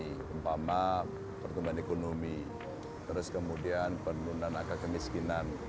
contohnya pertumbuhan ekonomi terus kemudian penurunan agak kemiskinan